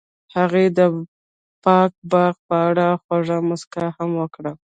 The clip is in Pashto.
هغې د پاک باغ په اړه خوږه موسکا هم وکړه.